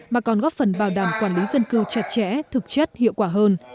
mà còn góp phần bảo đảm quản lý dân cư chặt chẽ thực chất hiệu quả hơn